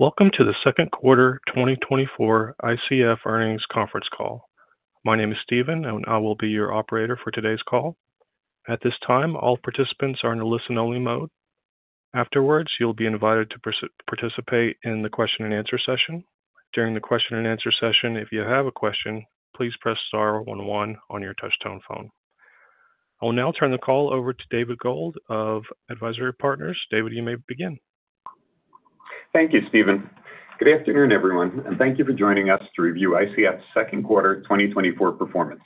Welcome to the second quarter 2024 ICF earnings conference call. My name is Steven, and I will be your operator for today's call. At this time, all participants are in a listen-only mode. Afterwards, you'll be invited to participate in the question-and-answer session. During the question-and-answer session, if you have a question, please press star 1,1 on your touch-tone phone. I will now turn the call over to David Gold of AdvisIRY Partners. David, you may begin. Thank you, Steven. Good afternoon, everyone, and thank you for joining us to review ICF's Second Quarter 2024 Performance.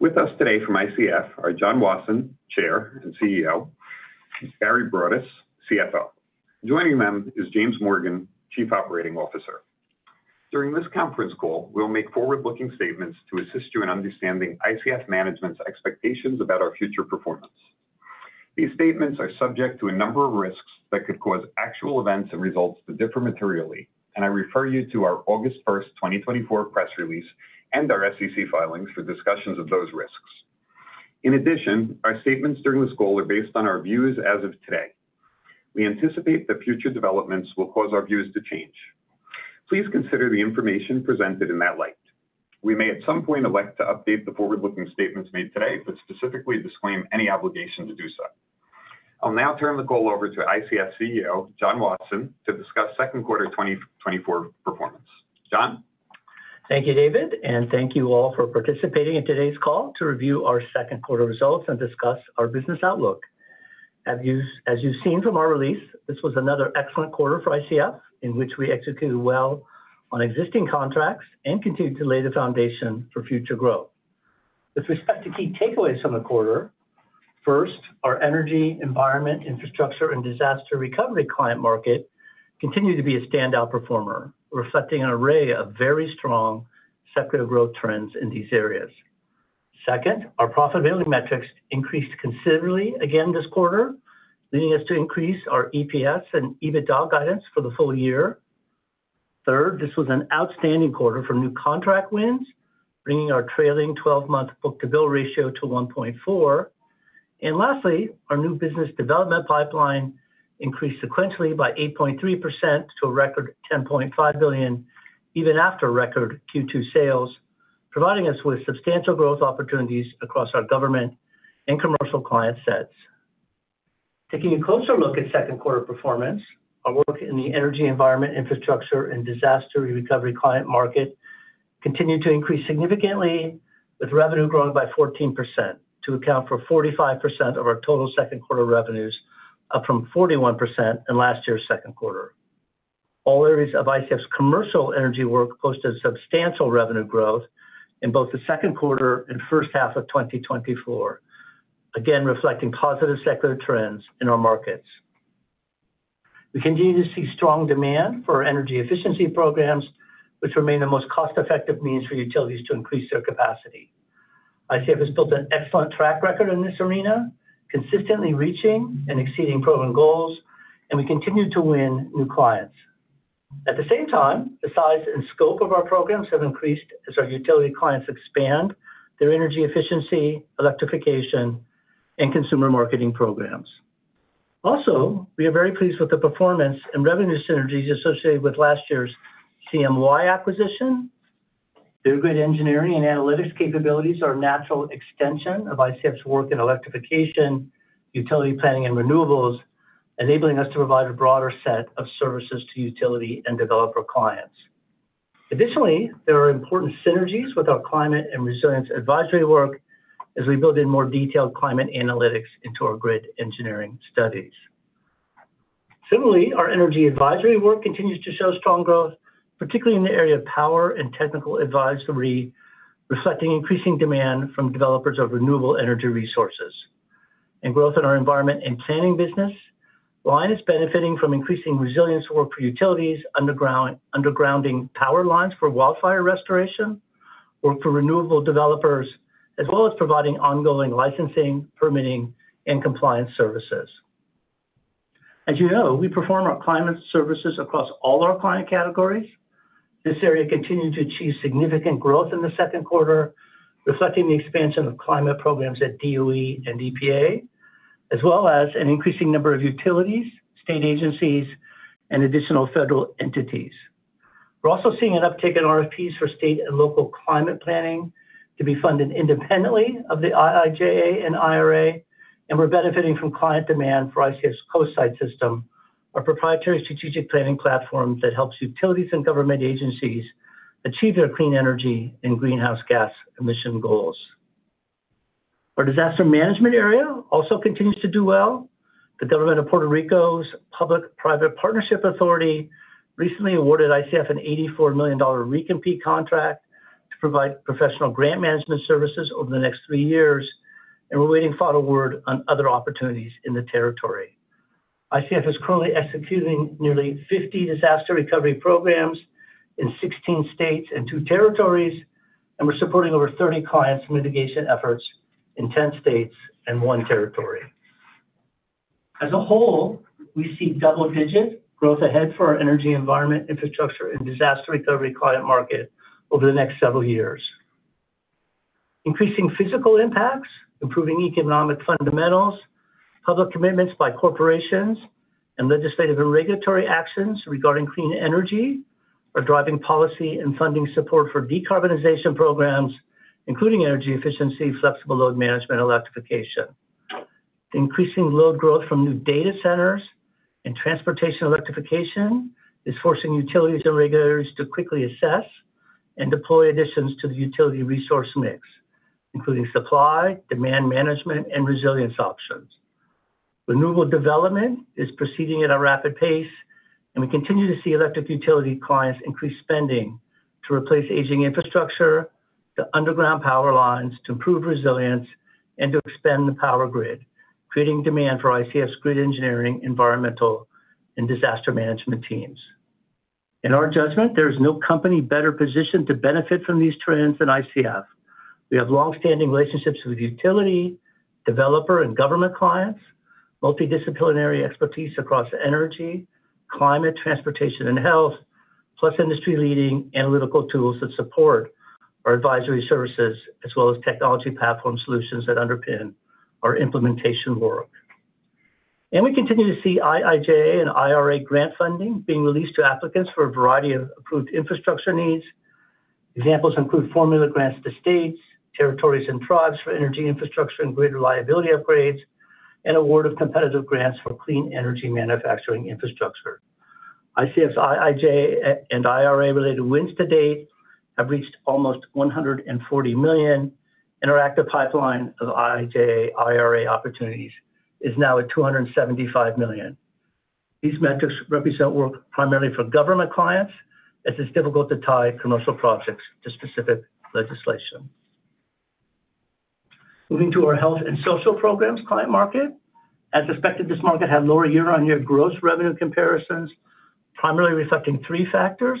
With us today from ICF are John Wasson, Chair and CEO, and Barry Broadus, CFO. Joining them is James Morgan, Chief Operating Officer. During this conference call, we'll make forward-looking statements to assist you in understanding ICF management's expectations about our future performance. These statements are subject to a number of risks that could cause actual events and results to differ materially, and I refer you to our August 1, 2024, press release and our SEC filings for discussions of those risks. In addition, our statements during this call are based on our views as of today. We anticipate that future developments will cause our views to change. Please consider the information presented in that light. We may at some point elect to update the forward-looking statements made today, but specifically disclaim any obligation to do so. I'll now turn the call over to ICF CEO John Wasson to discuss second quarter 2024 performance. John? Thank you, David, and thank you all for participating in today's call to review our second quarter results and discuss our business outlook. As you've seen from our release, this was another excellent quarter for ICF, in which we executed well on existing contracts and continued to lay the foundation for future growth. With respect to key takeaways from the quarter, first, our energy, environment, infrastructure, and disaster recovery client market continued to be a standout performer, reflecting an array of very strong sector growth trends in these areas. Second, our profitability metrics increased considerably again this quarter, leading us to increase our EPS and EBITDA guidance for the full year. Third, this was an outstanding quarter for new contract wins, bringing our trailing 12-month book-to-bill ratio to 1.4. And lastly, our new business development pipeline increased sequentially by 8.3% to a record $10.5 billion, even after record Q2 sales, providing us with substantial growth opportunities across our government and commercial client sets. Taking a closer look at second quarter performance, our work in the energy, environment, infrastructure, and disaster recovery client market continued to increase significantly, with revenue growing by 14% to account for 45% of our total second quarter revenues, up from 41% in last year's second quarter. All areas of ICF's commercial energy work posted substantial revenue growth in both the second quarter and first half of 2024, again reflecting positive sector trends in our markets. We continue to see strong demand for energy efficiency programs, which remain the most cost-effective means for utilities to increase their capacity. ICF has built an excellent track record in this arena, consistently reaching and exceeding proven goals, and we continue to win new clients. At the same time, the size and scope of our programs have increased as our utility clients expand their energy efficiency, electrification, and consumer marketing programs. Also, we are very pleased with the performance and revenue synergies associated with last year's CMY acquisition. Through great engineering and analytics capabilities, our natural extension of ICF's work in electrification, utility planning, and renewables, enabling us to provide a broader set of services to utility and developer clients. Additionally, there are important synergies with our climate and resilience advisory work as we build in more detailed climate analytics into our grid engineering studies. Similarly, our energy advisory work continues to show strong growth, particularly in the area of power and technical advisory, reflecting increasing demand from developers of renewable energy resources. Our growth in our environment and planning business line is benefiting from increasing resilience work for utilities, undergrounding power lines for wildfire restoration, work for renewable developers, as well as providing ongoing licensing, permitting, and compliance services. As you know, we perform our climate services across all our client categories. This area continued to achieve significant growth in the second quarter, reflecting the expansion of climate programs at DOE and EPA, as well as an increasing number of utilities, state agencies, and additional federal entities. We're also seeing an uptick in RFPs for state and local climate planning to be funded independently of the IIJA and IRA, and we're benefiting from client demand for ICF's CO2Sight system, our proprietary strategic planning platform that helps utilities and government agencies achieve their clean energy and greenhouse gas emission goals. Our disaster management area also continues to do well. The government of Puerto Rico's Public-Private Partnerships Authority recently awarded ICF an $84 million recompete contract to provide professional grant management services over the next three years, and we're looking forward on other opportunities in the territory. ICF is currently executing nearly 50 disaster recovery programs in 16 states and two territories, and we're supporting over 30 clients' mitigation efforts in 10 states and one territory. As a whole, we see double-digit growth ahead for our energy, environment, infrastructure, and disaster recovery client market over the next several years. Increasing physical impacts, improving economic fundamentals, public commitments by corporations, and legislative and regulatory actions regarding clean energy are driving policy and funding support for decarbonization programs, including energy efficiency, flexible load management, and electrification. Increasing load growth from new data centers and transportation electrification is forcing utilities and regulators to quickly assess and deploy additions to the utility resource mix, including supply, demand management, and resilience options. Renewable development is proceeding at a rapid pace, and we continue to see electric utility clients increase spending to replace aging infrastructure, to underground power lines, to improve resilience, and to expand the power grid, creating demand for ICF's grid engineering, environmental, and disaster management teams. In our judgment, there is no company better positioned to benefit from these trends than ICF. We have long-standing relationships with utility, developer, and government clients, multidisciplinary expertise across energy, climate, transportation, and health, plus industry-leading analytical tools that support our advisory services, as well as technology platform solutions that underpin our implementation work. We continue to see IIJA and IRA grant funding being released to applicants for a variety of approved infrastructure needs. Examples include formula grants to states, territories, and tribes for energy infrastructure and grid reliability upgrades, and award of competitive grants for clean energy manufacturing infrastructure. ICF's IIJA and IRA-related wins to date have reached almost $140 million, and our active pipeline of IIJA/IRA opportunities is now at $275 million. These metrics represent work primarily for government clients, as it's difficult to tie commercial projects to specific legislation. Moving to our health and social programs client market, as expected, this market had lower year-on-year gross revenue comparisons, primarily reflecting three factors: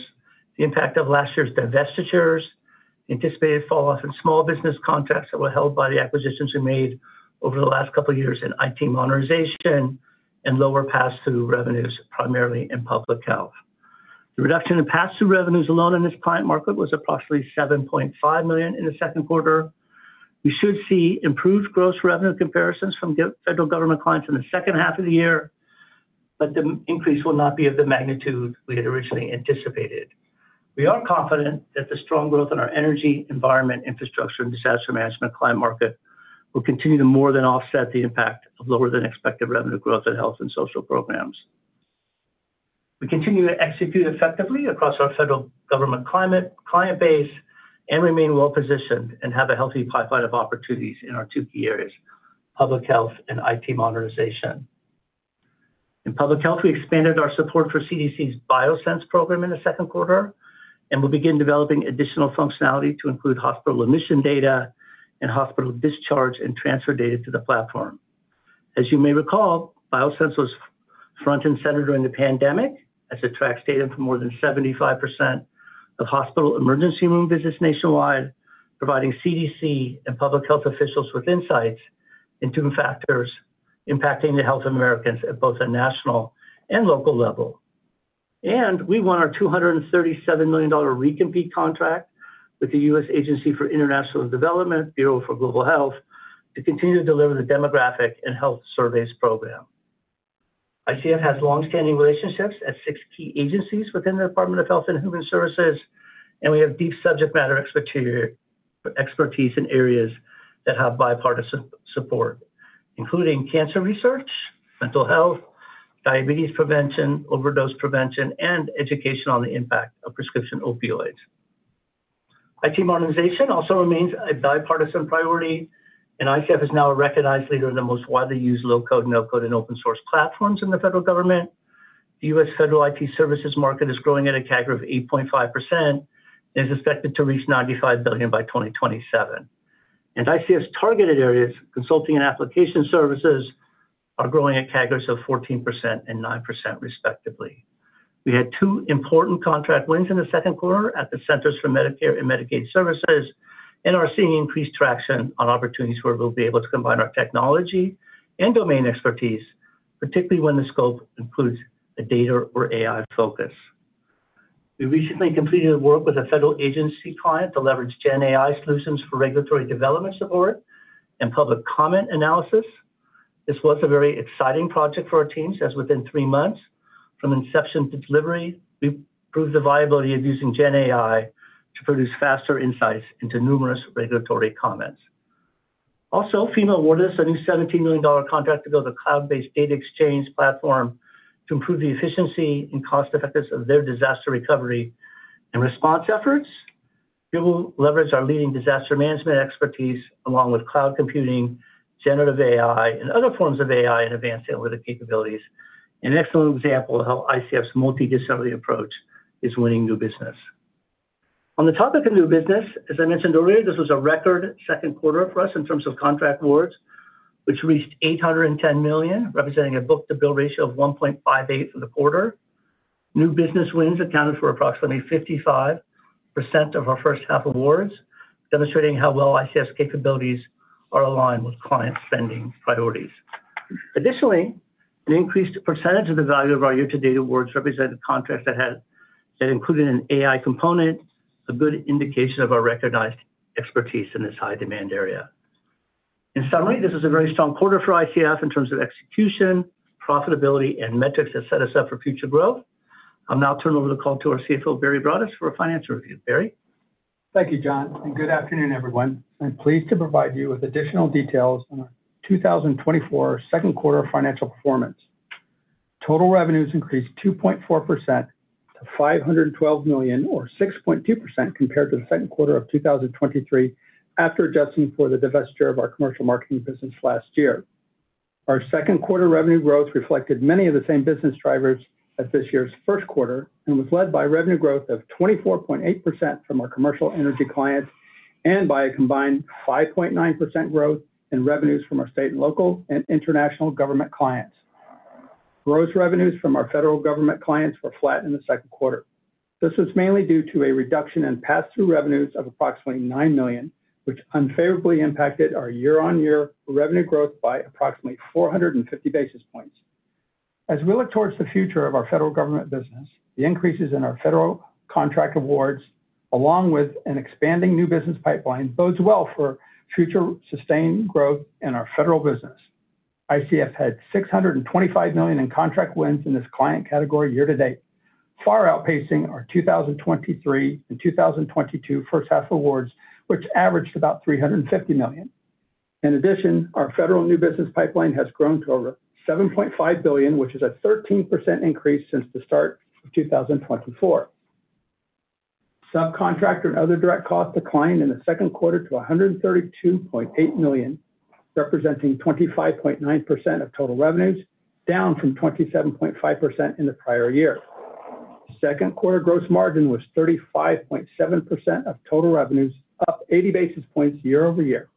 the impact of last year's divestitures, anticipated falloff in small business contracts that were held by the acquisitions we made over the last couple of years, and IT modernization, and lower pass-through revenues, primarily in public health. The reduction in pass-through revenues alone in this client market was approximately $7.5 million in the second quarter. We should see improved gross revenue comparisons from federal government clients in the second half of the year, but the increase will not be of the magnitude we had originally anticipated. We are confident that the strong growth in our energy, environment, infrastructure, and disaster management client market will continue to more than offset the impact of lower-than-expected revenue growth in health and social programs. We continue to execute effectively across our federal government client base and remain well-positioned and have a healthy pipeline of opportunities in our two key areas: public health and IT modernization. In public health, we expanded our support for CDC's BioSense program in the second quarter and will begin developing additional functionality to include hospital admission data and hospital discharge and transfer data to the platform. As you may recall, BioSense was front and center during the pandemic, as it tracked data from more than 75% of hospital emergency room visits nationwide, providing CDC and public health officials with insights into factors impacting the health of Americans at both a national and local level. We won our $237 million recompete contract with the U.S. Agency for International Development, Bureau for Global Health, to continue to deliver the Demographic and Health Surveys program. ICF has long-standing relationships at six key agencies within the Department of Health and Human Services, and we have deep subject matter expertise in areas that have bipartisan support, including cancer research, mental health, diabetes prevention, overdose prevention, and education on the impact of prescription opioids. IT modernization also remains a bipartisan priority, and ICF is now a recognized leader in the most widely used low-code, no-code, and open-source platforms in the federal government. The U.S. federal IT services market is growing at a CAGR of 8.5% and is expected to reach $95 billion by 2027. ICF's targeted areas, consulting and application services, are growing at CAGRs of 14% and 9%, respectively. We had two important contract wins in the second quarter at the Centers for Medicare & Medicaid Services and are seeing increased traction on opportunities where we'll be able to combine our technology and domain expertise, particularly when the scope includes a data or AI focus. We recently completed work with a federal agency client to leverage GenAI solutions for regulatory development support and public comment analysis. This was a very exciting project for our teams as within three months, from inception to delivery, we proved the viability of using GenAI to produce faster insights into numerous regulatory comments. Also, FEMA awarded us a new $17 million contract to build a cloud-based data exchange platform to improve the efficiency and cost-effectiveness of their disaster recovery and response efforts. We will leverage our leading disaster management expertise along with cloud computing, generative AI, and other forms of AI and advanced analytic capabilities. An excellent example of how ICF's multidisciplinary approach is winning new business. On the topic of new business, as I mentioned earlier, this was a record second quarter for us in terms of contract awards, which reached $810 million, representing a book-to-bill ratio of 1.58 for the quarter. New business wins accounted for approximately 55% of our first half awards, demonstrating how well ICF's capabilities are aligned with client spending priorities. Additionally, an increased percentage of the value of our year-to-date awards represented contracts that included an AI component, a good indication of our recognized expertise in this high-demand area. In summary, this was a very strong quarter for ICF in terms of execution, profitability, and metrics that set us up for future growth. I'll now turn over the call to our CFO, Barry Broadus, for a financial review. Barry. Thank you, John, and good afternoon, everyone. I'm pleased to provide you with additional details on our 2024 second quarter financial performance. Total revenues increased 2.4% to $512 million, or 6.2%, compared to the second quarter of 2023 after adjusting for the divestiture of our commercial marketing business last year. Our second quarter revenue growth reflected many of the same business drivers as this year's first quarter and was led by revenue growth of 24.8% from our commercial energy clients and by a combined 5.9% growth in revenues from our state and local and international government clients. Gross revenues from our federal government clients were flat in the second quarter. This was mainly due to a reduction in pass-through revenues of approximately $9 million, which unfavorably impacted our year-on-year revenue growth by approximately 450 basis points. As we look towards the future of our federal government business, the increases in our federal contract awards, along with an expanding new business pipeline, bodes well for future sustained growth in our federal business. ICF had $625 million in contract wins in this client category year-to-date, far outpacing our 2023 and 2022 first half awards, which averaged about $350 million. In addition, our federal new business pipeline has grown to over $7.5 billion, which is a 13% increase since the start of 2024. Subcontractor and other direct costs declined in the second quarter to $132.8 million, representing 25.9% of total revenues, down from 27.5% in the prior year. Second quarter gross margin was 35.7% of total revenues, up 80 basis points year-over-year.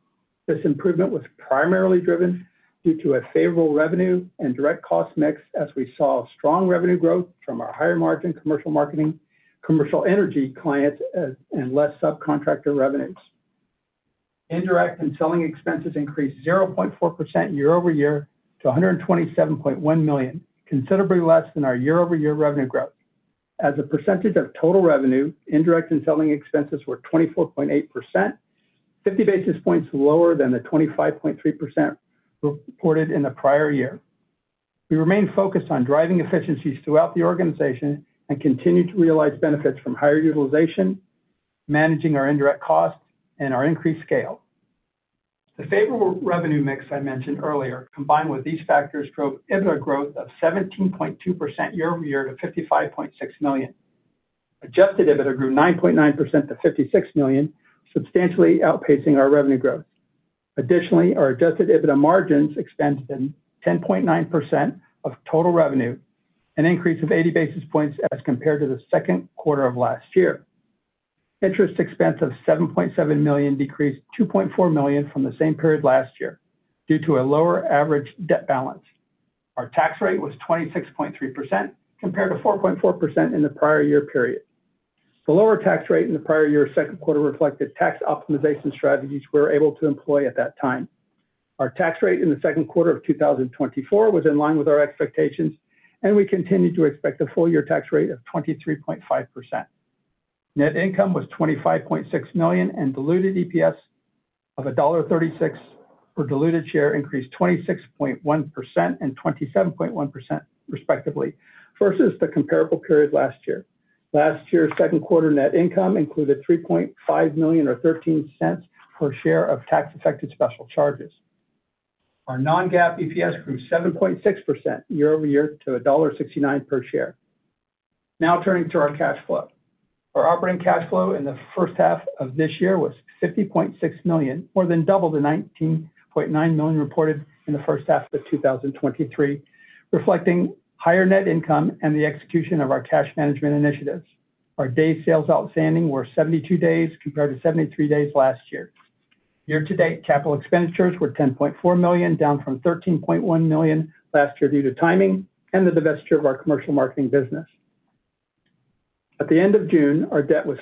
This improvement was primarily driven due to a favorable revenue and direct cost mix, as we saw strong revenue growth from our higher-margin commercial marketing, commercial energy clients, and less subcontractor revenues. Indirect and selling expenses increased 0.4% year-over-year to $127.1 million, considerably less than our year-over-year revenue growth. As a percentage of total revenue, indirect and selling expenses were 24.8%, 50 basis points lower than the 25.3% reported in the prior year. We remain focused on driving efficiencies throughout the organization and continue to realize benefits from higher utilization, managing our indirect costs, and our increased scale. The favorable revenue mix I mentioned earlier, combined with these factors, drove EBITDA growth of 17.2% year-over-year to $55.6 million. Adjusted EBITDA grew 9.9% to $56 million, substantially outpacing our revenue growth. Additionally, our Adjusted EBITDA margins expanded 10.9% of total revenue, an increase of 80 basis points as compared to the second quarter of last year. Interest expense of $7.7 million decreased $2.4 million from the same period last year due to a lower average debt balance. Our tax rate was 26.3%, compared to 4.4% in the prior year period. The lower tax rate in the prior year's second quarter reflected tax optimization strategies we were able to employ at that time. Our tax rate in the second quarter of 2024 was in line with our expectations, and we continue to expect a full-year tax rate of 23.5%. Net income was $25.6 million, and diluted EPS of $1.36 per diluted share increased 26.1% and 27.1%, respectively, versus the comparable period last year. Last year's second quarter net income included $3.5 million, or $0.13 per share, of tax-affected special charges. Our non-GAAP EPS grew 7.6% year-over-year to $1.69 per share. Now turning to our cash flow. Our operating cash flow in the first half of this year was $50.6 million, more than double the $19.9 million reported in the first half of 2023, reflecting higher net income and the execution of our cash management initiatives. Our days sales outstanding were 72 days compared to 73 days last year. Year-to-date capital expenditures were $10.4 million, down from $13.1 million last year due to timing and the divestiture of our commercial marketing business. At the end of June, our debt was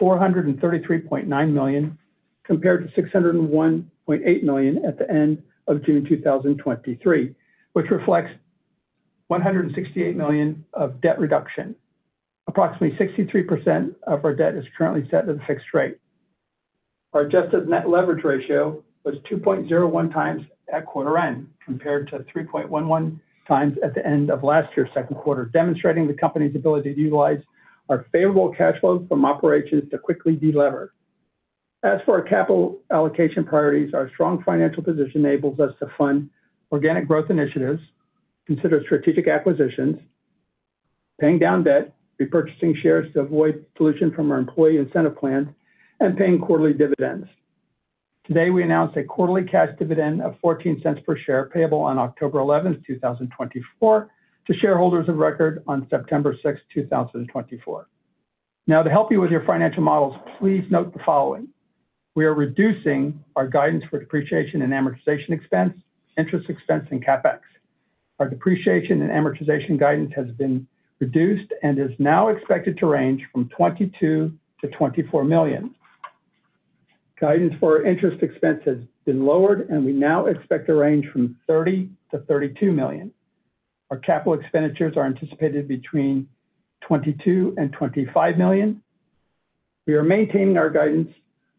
$433.9 million, compared to $601.8 million at the end of June 2023, which reflects $168 million of debt reduction. Approximately 63% of our debt is currently set at a fixed rate. Our adjusted net leverage ratio was 2.01 times at quarter end, compared to 3.11 times at the end of last year's second quarter, demonstrating the company's ability to utilize our favorable cash flow from operations to quickly delever. As for our capital allocation priorities, our strong financial position enables us to fund organic growth initiatives, consider strategic acquisitions, paying down debt, repurchasing shares to avoid dilution from our employee incentive plans, and paying quarterly dividends. Today, we announced a quarterly cash dividend of $0.14 per share, payable on October 11th, 2024, to shareholders of record on September 6th, 2024. Now, to help you with your financial models, please note the following. We are reducing our guidance for depreciation and amortization expense, interest expense, and CapEx. Our depreciation and amortization guidance has been reduced and is now expected to range from $22-$24 million. Guidance for interest expense has been lowered, and we now expect it to range from $30-$32 million. Our capital expenditures are anticipated between $22- $25 million. We are maintaining our guidance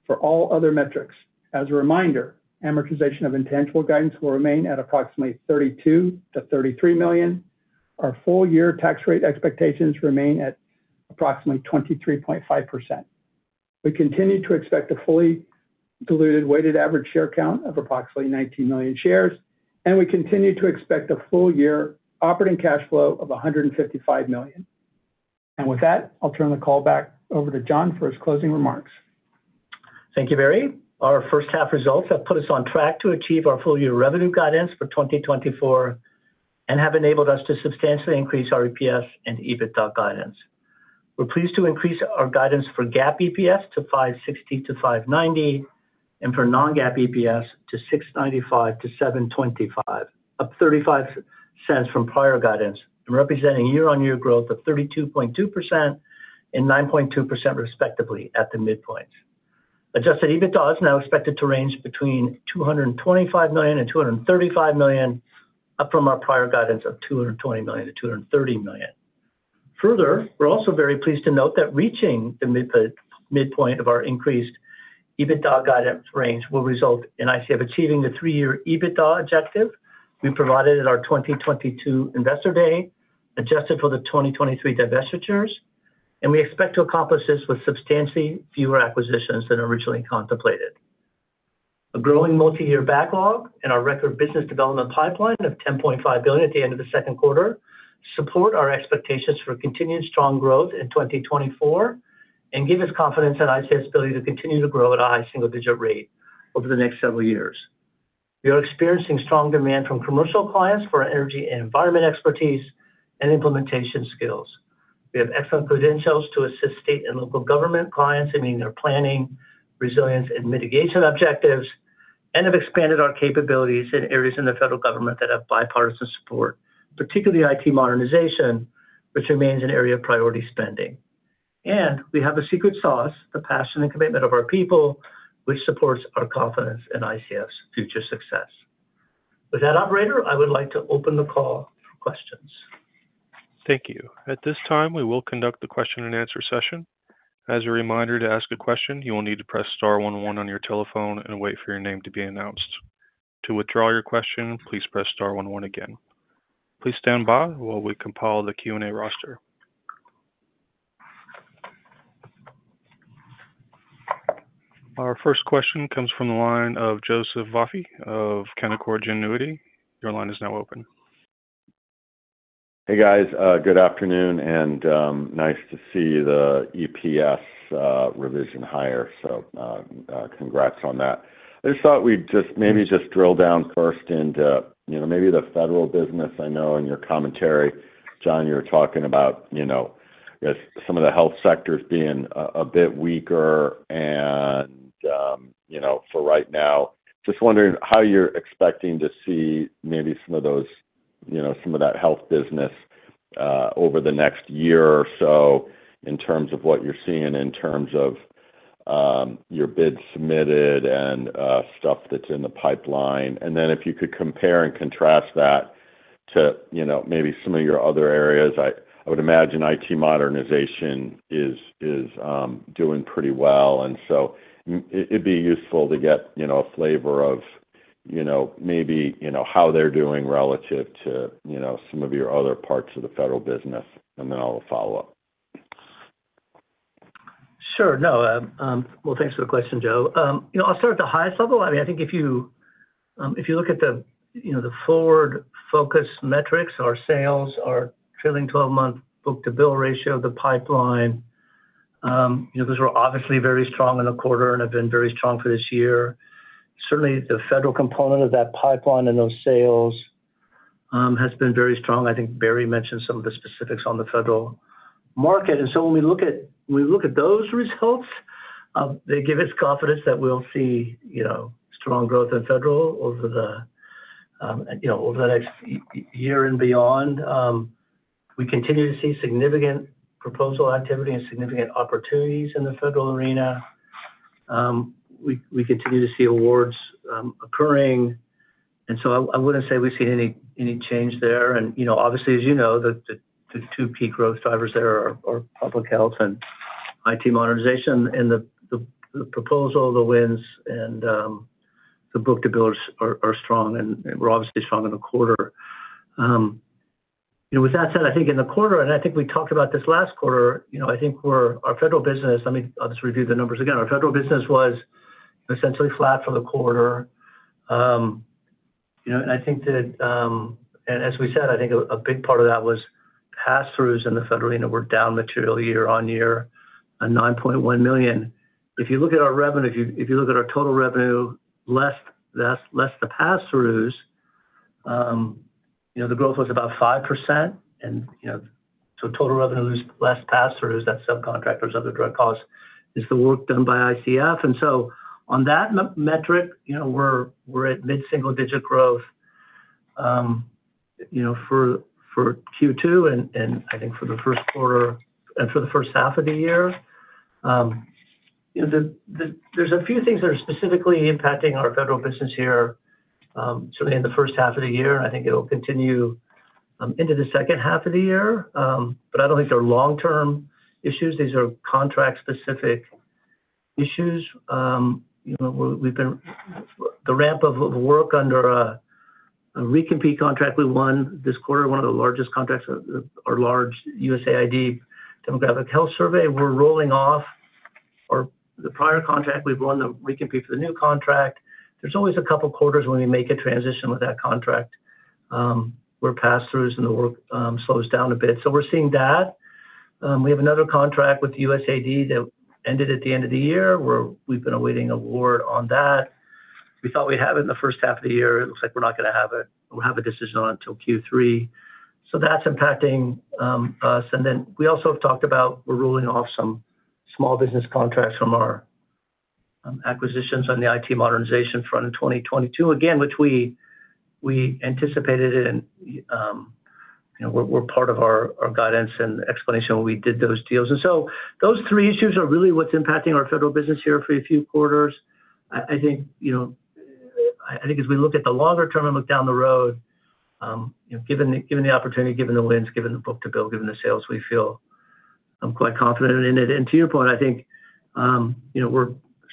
for all other metrics. As a reminder, amortization of intangible guidance will remain at approximately $32-$33 million. Our full-year tax rate expectations remain at approximately 23.5%. We continue to expect a fully diluted weighted average share count of approximately 19 million shares, and we continue to expect a full-year operating cash flow of $155 million. And with that, I'll turn the call back over to John for his closing remarks. Thank you, Barry. Our first half results have put us on track to achieve our full-year revenue guidance for 2024 and have enabled us to substantially increase our EPS and EBITDA guidance. We're pleased to increase our guidance for GAAP EPS to $5.60-$5.90 and for non-GAAP EPS to $6.95-$7.25, up 35 cents from prior guidance, representing year-on-year growth of 32.2% and 9.2%, respectively, at the midpoints. Adjusted EBITDA is now expected to range between $225-$235 million, up from our prior guidance of $220-$230 million. Further, we're also very pleased to note that reaching the midpoint of our increased EBITDA guidance range will result in ICF achieving the three-year EBITDA objective we provided at our 2022 Investor Day, adjusted for the 2023 divestitures, and we expect to accomplish this with substantially fewer acquisitions than originally contemplated. A growing multi-year backlog and our record business development pipeline of $10.5 billion at the end of the second quarter support our expectations for continued strong growth in 2024 and give us confidence in ICF's ability to continue to grow at a high single-digit rate over the next several years. We are experiencing strong demand from commercial clients for energy and environment expertise and implementation skills. We have excellent credentials to assist state and local government clients in meeting their planning, resilience, and mitigation objectives and have expanded our capabilities in areas in the federal government that have bipartisan support, particularly IT modernization, which remains an area of priority spending. And we have a secret sauce, the passion and commitment of our people, which supports our confidence in ICF's future success. With that, Operator, I would like to open the call for questions. Thank you. At this time, we will conduct the question-and-answer session. As a reminder to ask a question, you will need to press star 101 on your telephone and wait for your name to be announced. To withdraw your question, please press star 101 again. Please stand by while we compile the Q&A roster. Our first question comes from the line of Joseph Vafi of Canaccord Genuity. Your line is now open. Hey, guys. Good afternoon, and nice to see the EPS revision higher. So congrats on that. I just thought we'd just maybe just drill down first into maybe the federal business. I know in your commentary, John, you were talking about some of the health sectors being a bit weaker. For right now, just wondering how you're expecting to see maybe some of those, some of that health business over the next year or so in terms of what you're seeing in terms of your bids submitted and stuff that's in the pipeline. Then if you could compare and contrast that to maybe some of your other areas, I would imagine IT modernization is doing pretty well. So it'd be useful to get a flavor of maybe how they're doing relative to some of your other parts of the federal business, and then I'll follow up. Sure. No. Well, thanks for the question, Joe. I'll start at the highest level. I mean, I think if you look at the forward-focused metrics, our sales, our trailing 12-month book-to-bill ratio, the pipeline, those were obviously very strong in the quarter and have been very strong for this year. Certainly, the federal component of that pipeline and those sales has been very strong. I think Barry mentioned some of the specifics on the federal market. And so when we look at those results, they give us confidence that we'll see strong growth in federal over the next year and beyond. We continue to see significant proposal activity and significant opportunities in the federal arena. We continue to see awards occurring. And so I wouldn't say we've seen any change there. And obviously, as you know, the two key growth drivers there are public health and IT modernization. And the proposal, the wins, and the book-to-bills are strong, and we're obviously strong in the quarter. With that said, I think in the quarter, and I think we talked about this last quarter, I think our federal business, let me just review the numbers again, our federal business was essentially flat for the quarter. And I think that, as we said, I think a big part of that was pass-throughs in the federal arena were down materially year-on-year, $9.1 million. If you look at our revenue, if you look at our total revenue, less the pass-throughs, the growth was about 5%. And so total revenue was less pass-throughs, that subcontractors, other direct costs. It's the work done by ICF. And so on that metric, we're at mid-single-digit growth for Q2 and I think for the first quarter and for the first half of the year. There's a few things that are specifically impacting our federal business here, certainly in the first half of the year, and I think it'll continue into the second half of the year. But I don't think they're long-term issues. These are contract-specific issues. The ramp of work under a recompete contract we won this quarter, one of the largest contracts of our large USAID Demographic Health Survey, we're rolling off the prior contract. We've won the recompete for the new contract. There's always a couple of quarters when we make a transition with that contract where pass-throughs and the work slows down a bit. So we're seeing that. We have another contract with USAID that ended at the end of the year where we've been awaiting award on that. We thought we'd have it in the first half of the year. It looks like we're not going to have it. We'll have a decision on it until Q3. So that's impacting us. And then we also have talked about we're rolling off some small business contracts from our acquisitions on the IT modernization front in 2022, again, which we anticipated. And we're part of our guidance and explanation when we did those deals. And so those three issues are really what's impacting our federal business here for a few quarters. I think as we look at the longer term and look down the road, given the opportunity, given the wins, given the book-to-bill, given the sales, we feel quite confident in it. And to your point, I think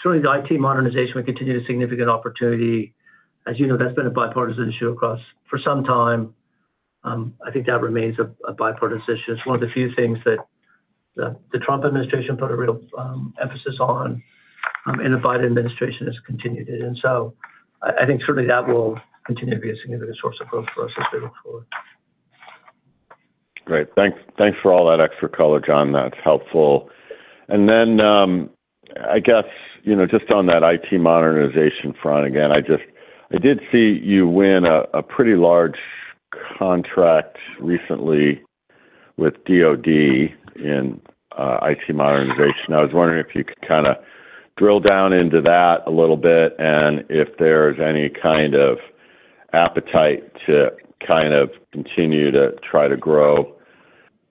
certainly the IT modernization will continue to be a significant opportunity. As you know, that's been a bipartisan issue across for some time. I think that remains a bipartisan issue. It's one of the few things that the Trump administration put a real emphasis on, and the Biden administration has continued it. And so I think certainly that will continue to be a significant source of growth for us as we look forward. Great. Thanks for all that extra color, John. That's helpful. And then I guess just on that IT modernization front, again, I did see you win a pretty large contract recently with DOD in IT modernization. I was wondering if you could kind of drill down into that a little bit and if there's any kind of appetite to kind of continue to try to grow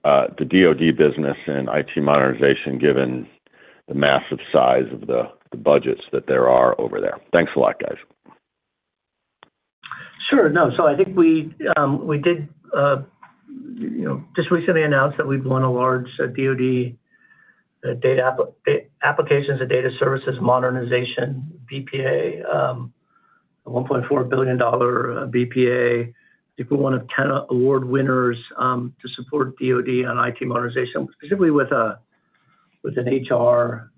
the DOD business in IT modernization given the massive size of the budgets that there are over there. Thanks a lot, guys. Sure. No. So I think we did just recently announce that we've won a large DOD applications and data services modernization BPA, a $1.4 billion BPA. I think we're one of 10 award winners to support DOD on IT modernization, specifically with an HR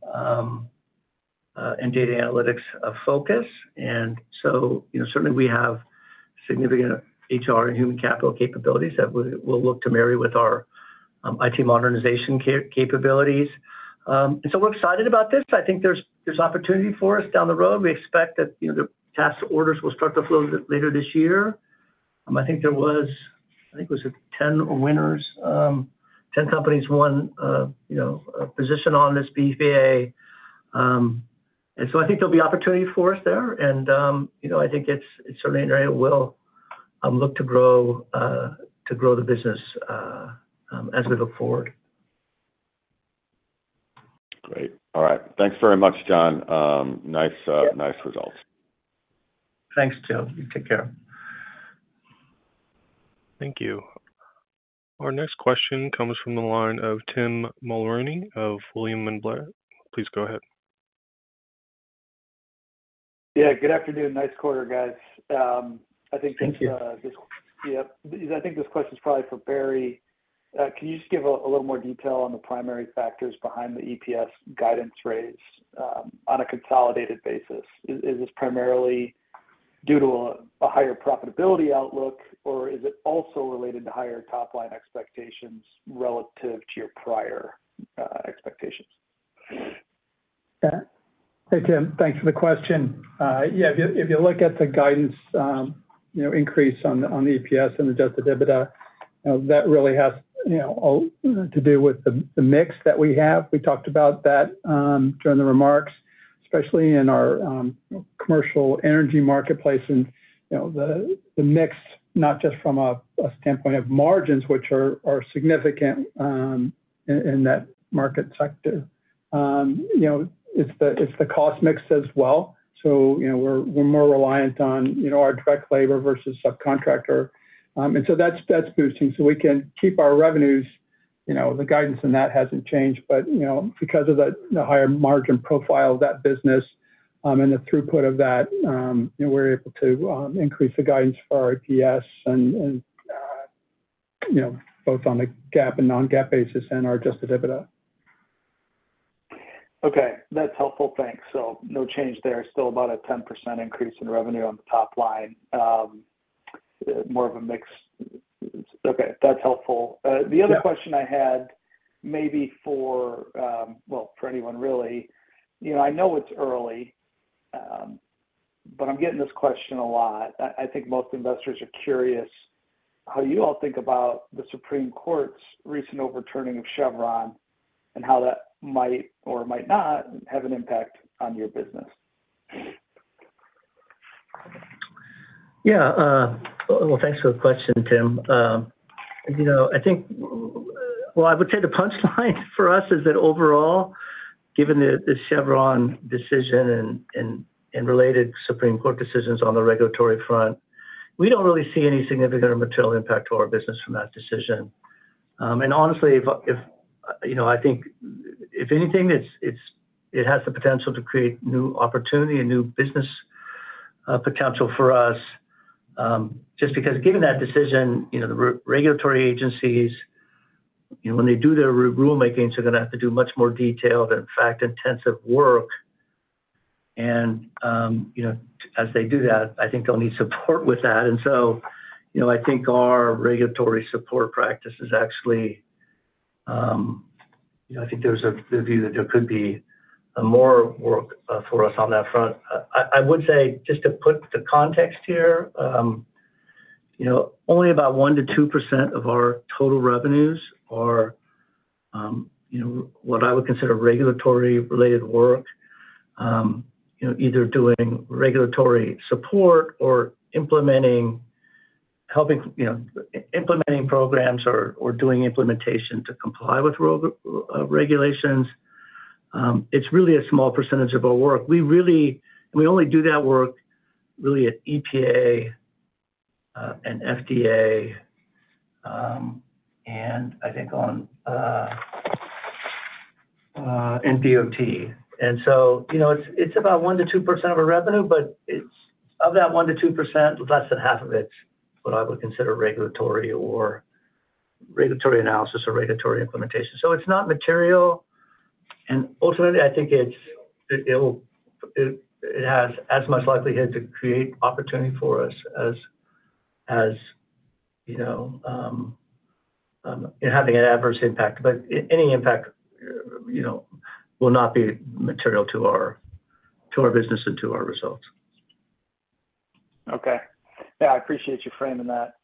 and data analytics focus. And so certainly we have significant HR and human capital capabilities that we'll look to marry with our IT modernization capabilities. And so we're excited about this. I think there's opportunity for us down the road. We expect that the task orders will start to flow later this year. I think there was, I think it was 10 winners, 10 companies won a position on this BPA. And so I think there'll be opportunity for us there. And I think it's certainly an area we'll look to grow the business as we look forward. Great. All right. Thanks very much, John. Nice results. Thanks, Joe. You take care. Thank you. Our next question comes from the line of Tim Mulrooney of William Blair. Please go ahead. Yeah. Good afternoon. Nice quarter, guys. I think this question's probably for Barry. Can you just give a little more detail on the primary factors behind the EPS guidance raise on a consolidated basis? Is this primarily due to a higher profitability outlook, or is it also related to higher top-line expectations relative to your prior expectations? Hey, Tim. Thanks for the question. Yeah. If you look at the guidance increase on the EPS and Adjusted EBITDA, that really has to do with the mix that we have. We talked about that during the remarks, especially in our commercial energy marketplace and the mix, not just from a standpoint of margins, which are significant in that market sector. It's the cost mix as well. So we're more reliant on our direct labor versus subcontractor. And so that's boosting. So we can keep our revenues. The guidance on that hasn't changed. But because of the higher margin profile of that business and the throughput of that, we're able to increase the guidance for our EPS both on a GAAP and non-GAAP basis and our adjusted EBITDA. Okay. That's helpful. Thanks. So no change there. Still about a 10% increase in revenue on the top line. More of a mix. Okay. That's helpful. The other question I had maybe for, well, for anyone really, I know it's early, but I'm getting this question a lot. I think most investors are curious how you all think about the Supreme Court's recent overturning of Chevron and how that might or might not have an impact on your business. Yeah. Well, thanks for the question, Tim. I think, well, I would say the punchline for us is that overall, given the Chevron decision and related Supreme Court decisions on the regulatory front, we don't really see any significant or material impact to our business from that decision. And honestly, I think if anything, it has the potential to create new opportunity and new business potential for us just because given that decision, the regulatory agencies, when they do their rulemaking, they're going to have to do much more detailed and fact-intensive work. And as they do that, I think they'll need support with that. And so I think our regulatory support practice is actually I think there's a view that there could be more work for us on that front. I would say just to put the context here, only about 1%-2% of our total revenues are what I would consider regulatory-related work, either doing regulatory support or implementing programs or doing implementation to comply with regulations. It's really a small percentage of our work. We only do that work really at EPA and FDA and I think on DOT. And so it's about 1%-2% of our revenue, but of that 1%-2%, less than half of it is what I would consider regulatory or regulatory analysis or regulatory implementation. So it's not material. And ultimately, I think it has as much likelihood to create opportunity for us as having an adverse impact. But any impact will not be material to our business and to our results. Okay. Yeah. I appreciate you framing that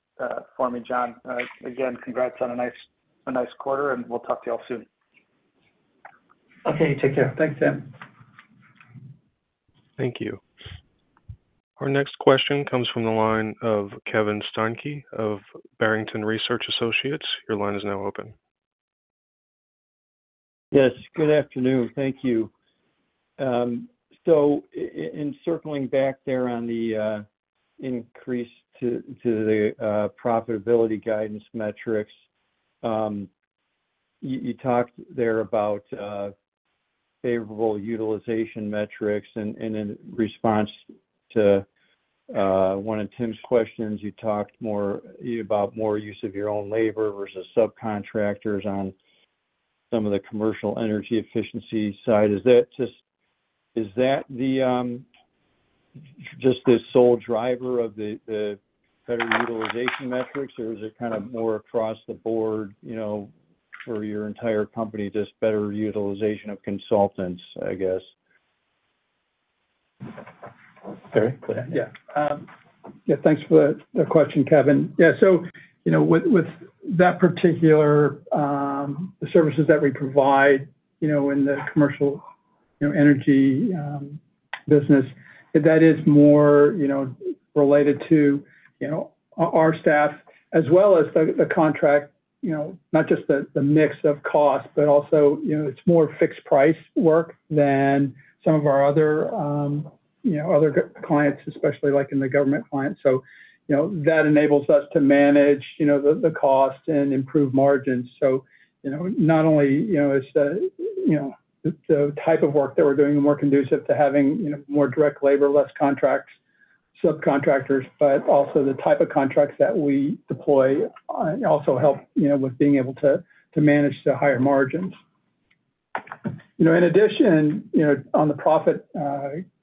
for me, John. Again, congrats on a nice quarter, and we'll talk to you all soon. Okay. Take care. Thanks, Tim. Thank you. Our next question comes from the line of Kevin Steinke of Barrington Research Associates. Your line is now open. Yes. Good afternoon. Thank you. So in circling back there on the increase to the profitability guidance metrics, you talked there about favorable utilization metrics. And in response to one of Tim's questions, you talked more about more use of your own labor versus subcontractors on some of the commercial energy efficiency side. Is that just the sole driver of the better utilization metrics, or is it kind of more across the board for your entire company, just better utilization of consultants, I guess? Barry? Go ahead. Yeah. Yeah. Thanks for the question, Kevin. Yeah. So with that particular services that we provide in the commercial energy business, that is more related to our staff as well as the contract, not just the mix of costs, but also it's more fixed-price work than some of our other clients, especially in the government clients. So that enables us to manage the cost and improve margins. So not only is the type of work that we're doing more conducive to having more direct labor, less contracts, subcontractors, but also the type of contracts that we deploy also help with being able to manage the higher margins. In addition, on the profit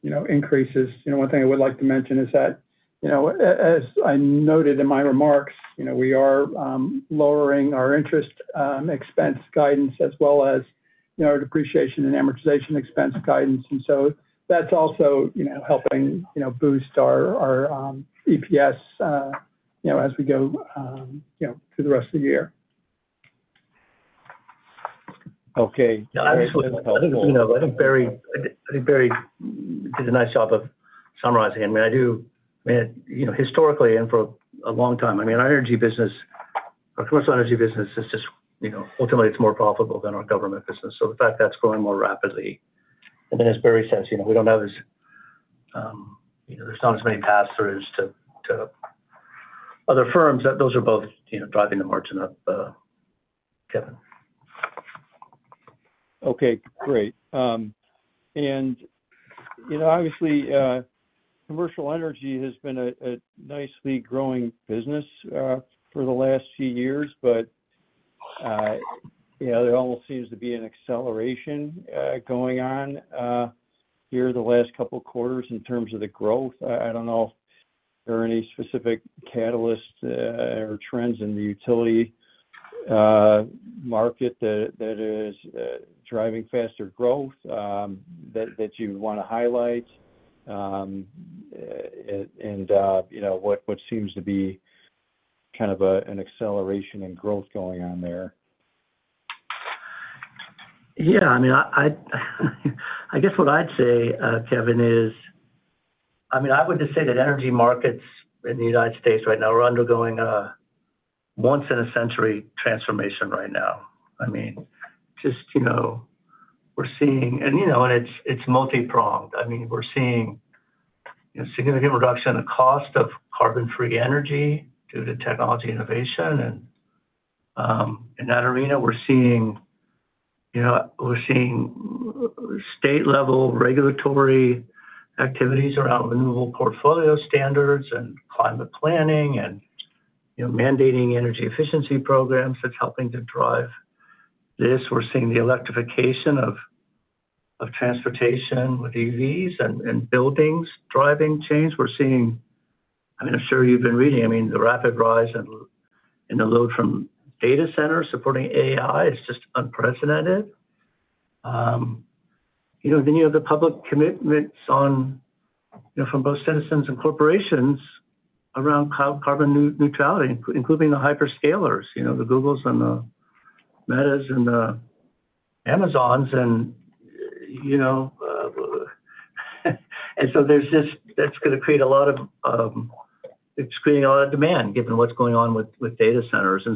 increases, one thing I would like to mention is that as I noted in my remarks, we are lowering our interest expense guidance as well as our depreciation and amortization expense guidance. And so that's also helping boost our EPS as we go through the rest of the year. Okay. Thanks for the help. I think Barry did a nice job of summarizing it. I mean, I mean, historically and for a long time, I mean, our energy business, our commercial energy business, is just ultimately it's more profitable than our government business. So the fact that's growing more rapidly. And then as Barry says, we don't have as there's not as many pass-throughs to other firms. Those are both driving the margin up, Kevin. Okay. Great. And obviously, commercial energy has been a nicely growing business for the last few years, but there almost seems to be an acceleration going on here the last couple of quarters in terms of the growth. I don't know if there are any specific catalysts or trends in the utility market that is driving faster growth that you would want to highlight and what seems to be kind of an acceleration in growth going on there. Yeah. I mean, I guess what I'd say, Kevin, is I mean, I would just say that energy markets in the United States right now are undergoing a once-in-a-century transformation right now. I mean, just we're seeing and it's multi-pronged. I mean, we're seeing a significant reduction in the cost of carbon-free energy due to technology innovation. And in that arena, we're seeing state-level regulatory activities around renewable portfolio standards and climate planning and mandating energy efficiency programs that's helping to drive this. We're seeing the electrification of transportation with EVs and buildings driving change. We're seeing, I mean, I'm sure you've been reading, I mean, the rapid rise in the load from data centers supporting AI. It's just unprecedented. Then you have the public commitments from both citizens and corporations around carbon neutrality, including the hyperscalers, the Googles and the Metas and the Amazons. And so there's just that's going to create a lot of it's creating a lot of demand given what's going on with data centers.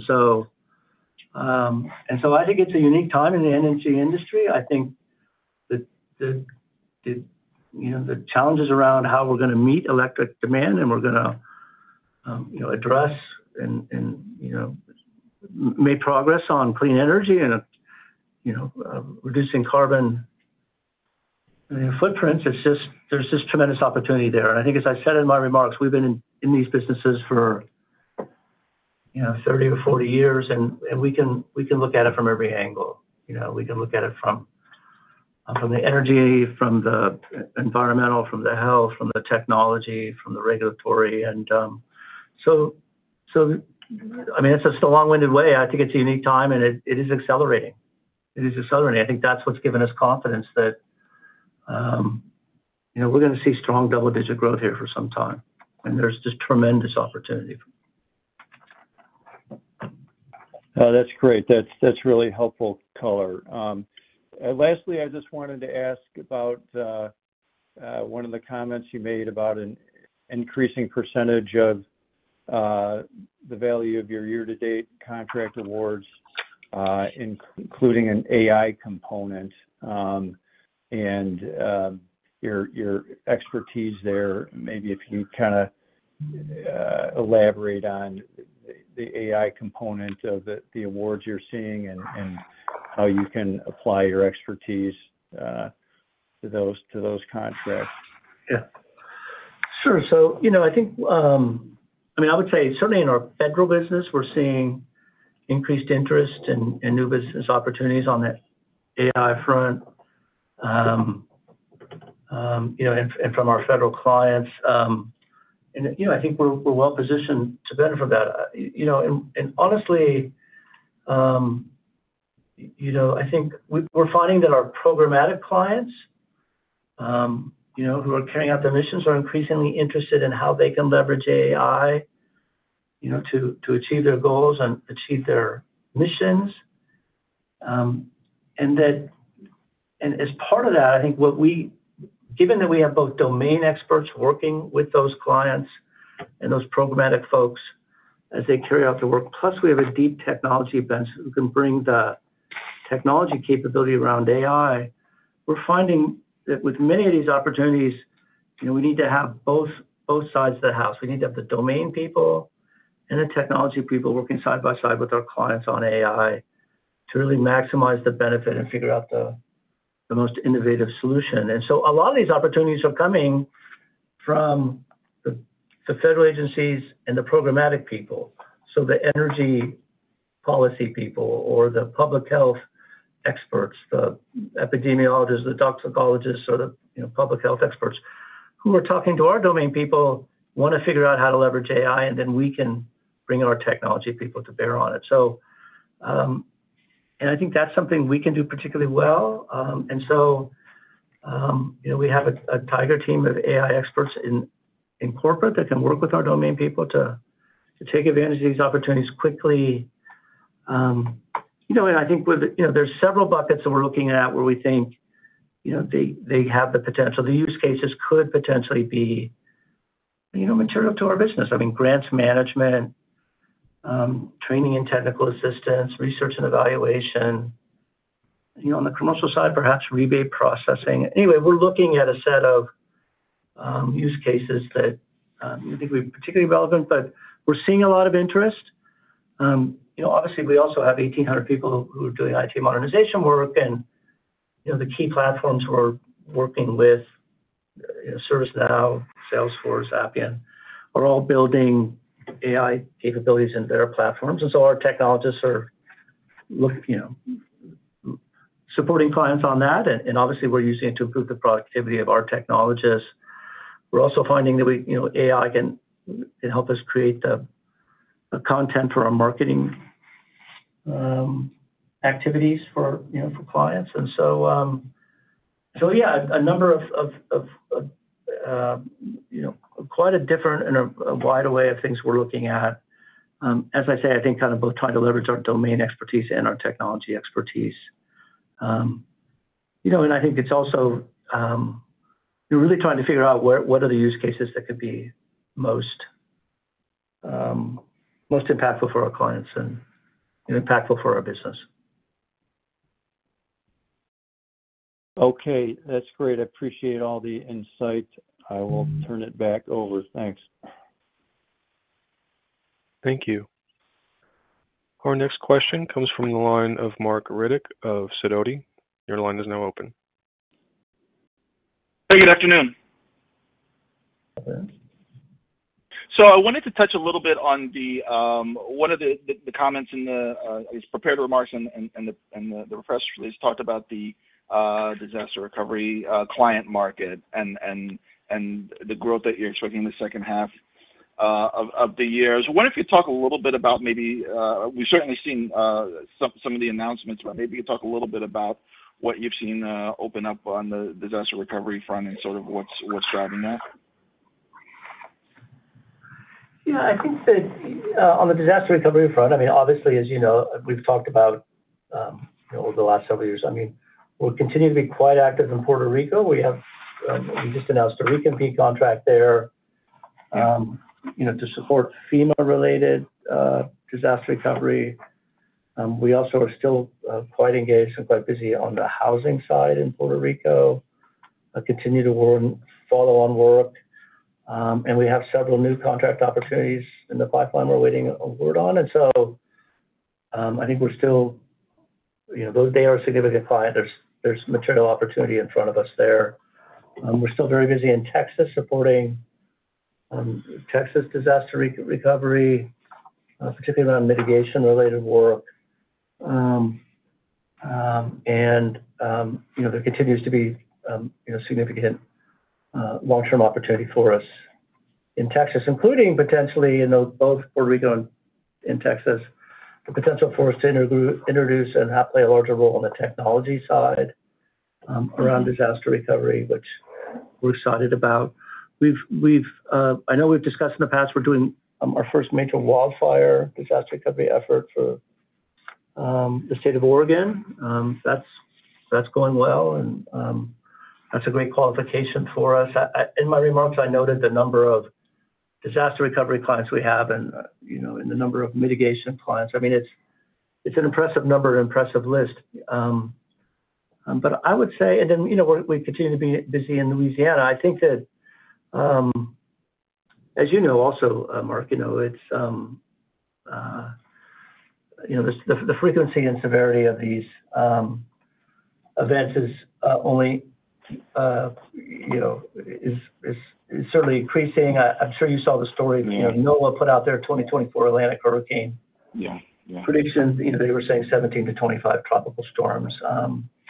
And so I think it's a unique time in the energy industry. I think the challenges around how we're going to meet electric demand and we're going to address and make progress on clean energy and reducing carbon footprints, there's just tremendous opportunity there. And I think, as I said in my remarks, we've been in these businesses for 30 or 40 years, and we can look at it from every angle. We can look at it from the energy, from the environmental, from the health, from the technology, from the regulatory. And so, I mean, it's just a long-winded way. I think it's a unique time, and it is accelerating. It is accelerating. I think that's what's given us confidence that we're going to see strong double-digit growth here for some time. And there's just tremendous opportunity. That's great. That's really helpful color. Lastly, I just wanted to ask about one of the comments you made about an increasing percentage of the value of your year-to-date contract awards, including an AI component and your expertise there. Maybe if you kind of elaborate on the AI component of the awards you're seeing and how you can apply your expertise to those contracts. Yeah. Sure. So I think, I mean, I would say certainly in our federal business, we're seeing increased interest and new business opportunities on that AI front and from our federal clients. And I think we're well-positioned to benefit from that. And honestly, I think we're finding that our programmatic clients who are carrying out their missions are increasingly interested in how they can leverage AI to achieve their goals and achieve their missions. And as part of that, I think given that we have both domain experts working with those clients and those programmatic folks as they carry out the work, plus we have a deep technology bench who can bring the technology capability around AI, we're finding that with many of these opportunities, we need to have both sides of the house. We need to have the domain people and the technology people working side by side with our clients on AI to really maximize the benefit and figure out the most innovative solution. And so a lot of these opportunities are coming from the federal agencies and the programmatic people, so the energy policy people or the public health experts, the epidemiologists, the toxicologists, or the public health experts who are talking to our domain people, want to figure out how to leverage AI, and then we can bring our technology people to bear on it. And I think that's something we can do particularly well. And so we have a tiger team of AI experts in corporate that can work with our domain people to take advantage of these opportunities quickly. And I think there's several buckets that we're looking at where we think they have the potential. The use cases could potentially be material to our business. I mean, grants management, training and technical assistance, research and evaluation. On the commercial side, perhaps rebate processing. Anyway, we're looking at a set of use cases that I think would be particularly relevant, but we're seeing a lot of interest. Obviously, we also have 1,800 people who are doing IT modernization work. And the key platforms we're working with, ServiceNow, Salesforce, Appian, are all building AI capabilities in their platforms. And so our technologists are supporting clients on that. And obviously, we're using it to improve the productivity of our technologists. We're also finding that AI can help us create the content for our marketing activities for clients. And so, yeah, a number of quite a different and a wide array of things we're looking at. As I say, I think kind of both trying to leverage our domain expertise and our technology expertise. And I think it's also really trying to figure out what are the use cases that could be most impactful for our clients and impactful for our business. Okay. That's great. I appreciate all the insight. I will turn it back over. Thanks. Thank you. Our next question comes from the line of Marc Riddick of Sidoti. Your line is now open. Hey, good afternoon. So I wanted to touch a little bit on one of the comments in the prepared remarks and the press release talked about the disaster recovery client market and the growth that you're expecting in the second half of the year. I wonder if you'd talk a little bit about maybe we've certainly seen some of the announcements, but maybe you could talk a little bit about what you've seen open up on the disaster recovery front and sort of what's driving that. Yeah. I think that on the disaster recovery front, I mean, obviously, as you know, we've talked about over the last several years. I mean, we'll continue to be quite active in Puerto Rico. We just announced a recompete contract there to support FEMA-related disaster recovery. We also are still quite engaged and quite busy on the housing side in Puerto Rico, continue to follow on work. And we have several new contract opportunities in the pipeline we're waiting a word on. And so I think they are still a significant client. There's material opportunity in front of us there. We're still very busy in Texas supporting Texas disaster recovery, particularly around mitigation-related work. There continues to be significant long-term opportunity for us in Texas, including potentially in both Puerto Rico and Texas, the potential for us to introduce and play a larger role on the technology side around disaster recovery, which we're excited about. I know we've discussed in the past we're doing our first major wildfire disaster recovery effort for the state of Oregon. That's going well. That's a great qualification for us. In my remarks, I noted the number of disaster recovery clients we have and the number of mitigation clients. I mean, it's an impressive number, an impressive list. But I would say, and then we continue to be busy in Louisiana. I think that, as you know also, Mark, the frequency and severity of these events is only certainly increasing. I'm sure you saw the story of NOAA put out their 2024 Atlantic Hurricane predictions. They were saying 17-25 tropical storms,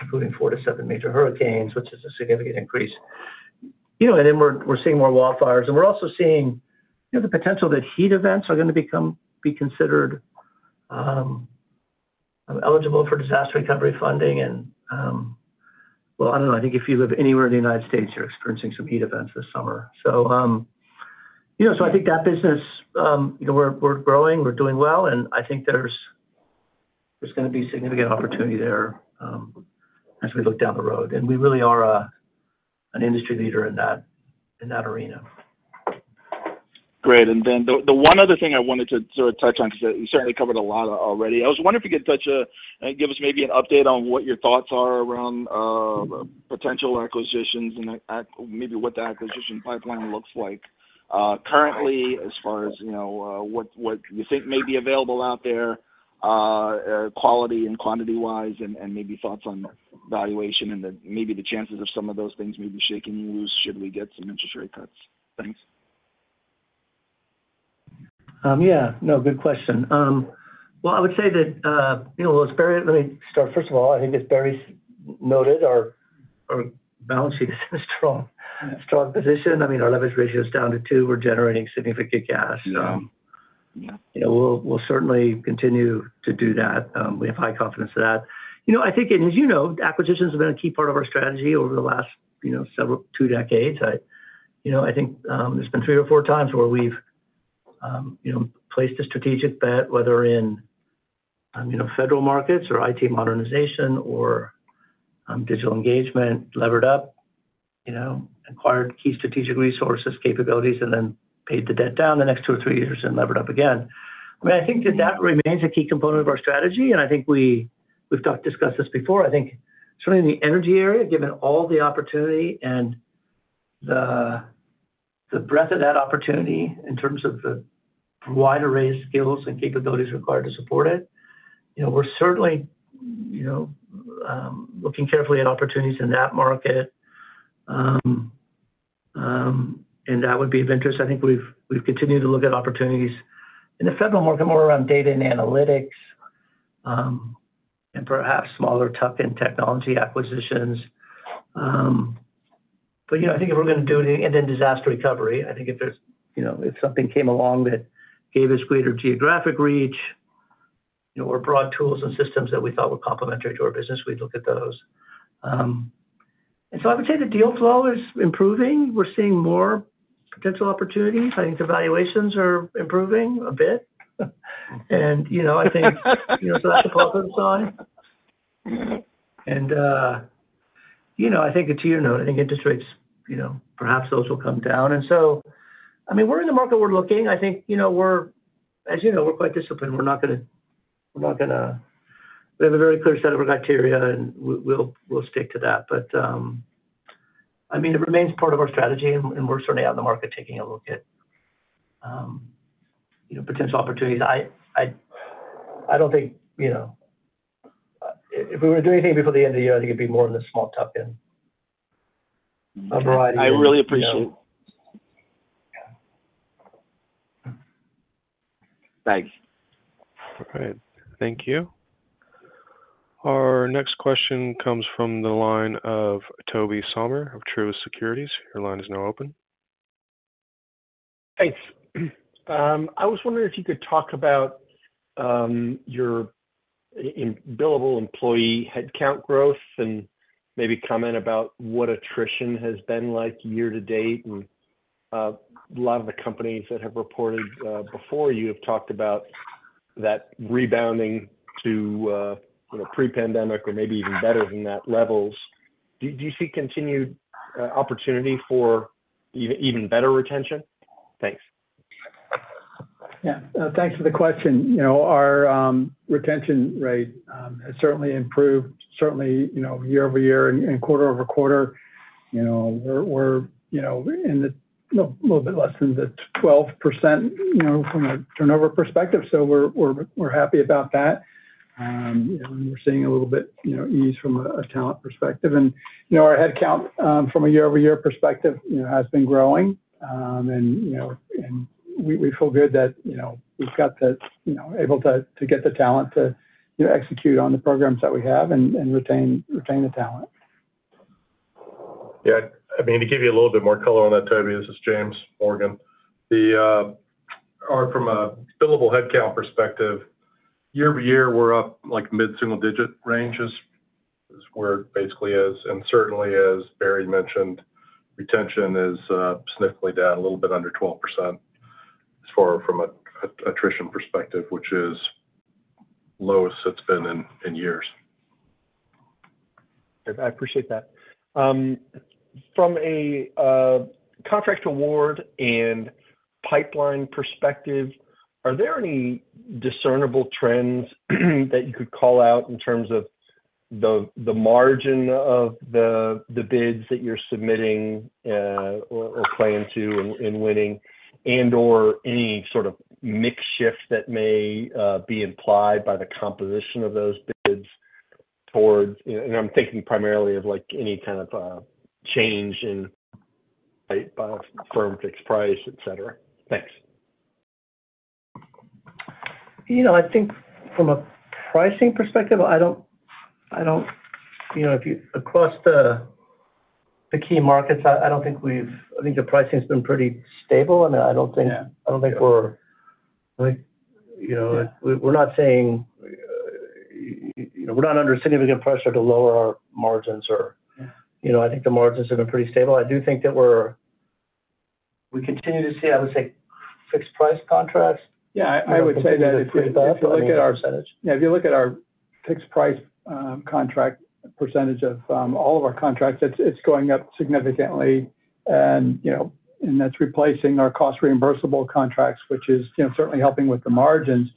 including 4-7 major hurricanes, which is a significant increase. And then we're seeing more wildfires. And we're also seeing the potential that heat events are going to be considered eligible for disaster recovery funding. And well, I don't know. I think if you live anywhere in the United States, you're experiencing some heat events this summer. So I think that business, we're growing, we're doing well. And I think there's going to be significant opportunity there as we look down the road. And we really are an industry leader in that arena. Great. And then the one other thing I wanted to sort of touch on because you certainly covered a lot already. I was wondering if you could touch and give us maybe an update on what your thoughts are around potential acquisitions and maybe what the acquisition pipeline looks like currently as far as what you think may be available out there, quality and quantity-wise, and maybe thoughts on valuation and maybe the chances of some of those things maybe shaking loose should we get some interest rate cuts. Thanks. Yeah. No, good question. Well, I would say that let me start. First of all, I think as Barry noted, our balance sheet is in a strong position. I mean, our leverage ratio is down to 2. We're generating significant cash. We'll certainly continue to do that. We have high confidence of that. I think, and as you know, acquisitions have been a key part of our strategy over the last two decades. I think there's been 3 or 4 times where we've placed a strategic bet, whether in federal markets or IT modernization or digital engagement, levered up, acquired key strategic resources, capabilities, and then paid the debt down the next 2 or 3 years and levered up again. I mean, I think that that remains a key component of our strategy. I think we've discussed this before. I think certainly in the energy area, given all the opportunity and the breadth of that opportunity in terms of the wide array of skills and capabilities required to support it, we're certainly looking carefully at opportunities in that market. That would be of interest. I think we've continued to look at opportunities in the federal market more around data and analytics and perhaps smaller tuck-in technology acquisitions. But I think if we're going to do anything and then disaster recovery, I think if something came along that gave us greater geographic reach or broad tools and systems that we thought were complementary to our business, we'd look at those. And so I would say the deal flow is improving. We're seeing more potential opportunities. I think the valuations are improving a bit. And I think so that's a positive sign. And I think it's you know. I think interest rates, perhaps those will come down. And so, I mean, we're in the market. We're looking. I think, as you know, we're quite disciplined. We're not going to. We have a very clear set of criteria, and we'll stick to that. But I mean, it remains part of our strategy, and we're certainly out in the market taking a look at potential opportunities. I don't think if we were to do anything before the end of the year, I think it'd be more in the small tuck-in variety. I really appreciate it. Thanks. All right. Thank you. Our next question comes from the line of Tobey Sommer of Truist Securities. Your line is now open. Thanks. I was wondering if you could talk about your billable employee headcount growth and maybe comment about what attrition has been like year to date. And a lot of the companies that have reported before you have talked about that rebounding to pre-pandemic or maybe even better than that levels. Do you see continued opportunity for even better retention? Thanks. Yeah. Thanks for the question. Our retention rate has certainly improved, certainly year-over-year and quarter-over-quarter. We're in a little bit less than the 12% from a turnover perspective. So we're happy about that. We're seeing a little bit ease from a talent perspective. Our headcount from a year-over-year perspective has been growing. We feel good that we've got to be able to get the talent to execute on the programs that we have and retain the talent. Yeah. I mean, to give you a little bit more color on that, Tobey, this is James Morgan. From a billable headcount perspective, year-over-year, we're up like mid-single-digit ranges, where it basically is. Certainly, as Barry mentioned, retention is significantly down, a little bit under 12% as far from an attrition perspective, which is lowest it's been in years. I appreciate that. From a contract award and pipeline perspective, are there any discernible trends that you could call out in terms of the margin of the bids that you're submitting or playing to and winning and/or any sort of mix shift that may be implied by the composition of those bids towards—and I'm thinking primarily of any kind of change in by firm-fixed-price, etc. Thanks. I think from a pricing perspective, I don't—across the key markets, I don't think we've—I think the pricing has been pretty stable. I mean, I don't think we're—we're not saying we're not under significant pressure to lower our margins. I think the margins have been pretty stable. I do think that we continue to see, I would say, fixed-price contracts. Yeah. I would say that if you look at our—yeah. If you look at our fixed-price contract percentage of all of our contracts, it's going up significantly. And that's replacing our cost-reimbursable contracts, which is certainly helping with the margins.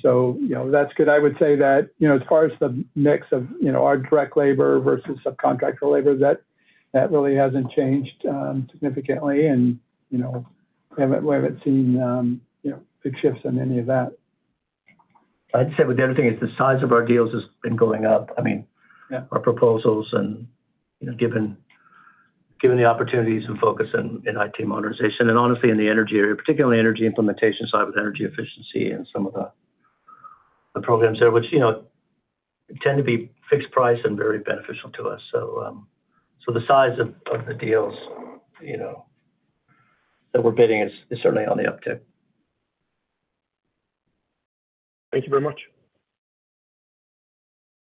So that's good. I would say that as far as the mix of our direct labor versus subcontractor labor, that really hasn't changed significantly. And we haven't seen big shifts in any of that. I'd say the other thing is the size of our deals has been going up. I mean, our proposals and given the opportunities and focus in IT modernization and honestly in the energy area, particularly on the energy implementation side with energy efficiency and some of the programs there, which tend to be fixed-price and very beneficial to us. So the size of the deals that we're bidding is certainly on the uptick. Thank you very much.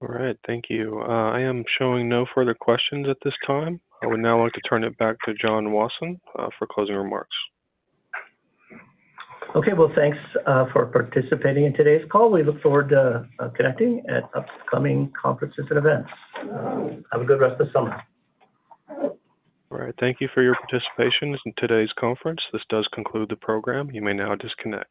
All right. Thank you. I am showing no further questions at this time. I would now like to turn it back to John Wasson for closing remarks. Okay. Well, thanks for participating in today's call. We look forward to connecting at upcoming conferences and events. Have a good rest of the summer. All right. Thank you for your participation in today's conference. This does conclude the program. You may now disconnect.